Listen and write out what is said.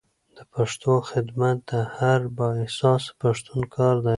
د پښتو خدمت د هر با احساسه پښتون کار دی.